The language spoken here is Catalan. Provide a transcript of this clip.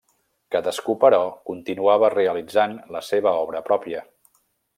Cadascú, però, continuava realitzant la seva obra pròpia.